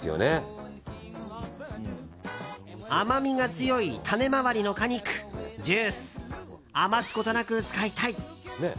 甘みが強い種周りの果肉ジュース、余すことなく使いたい。